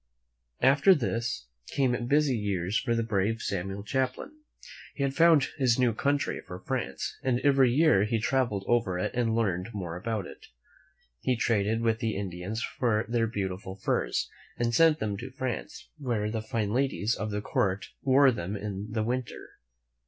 After this, came busy years for the brave Samuel Champlain. He had found his new country for France, and every year he traveled over it and learned more about it. He traded with the Indians for their beautiful furs and sent them to France, where the fine ladies of the Court wore them in the winter.